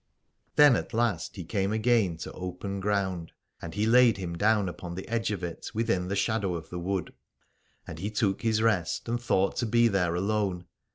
Then at the last he came again to open 182 Aladore ground, and he laid him down upon the edge of it within the shadow of the wood : and he took his rest and thought to be there alone.